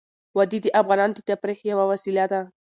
وادي د افغانانو د تفریح یوه وسیله ده.